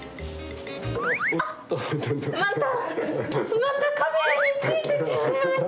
またカメラについてしまいました。